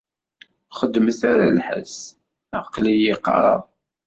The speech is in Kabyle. Ur xeddmet ara lḥess. Aql-i qerraɣ.